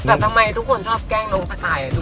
แต่ทำไมทุกคนชอบแกล้งน้องสไตล์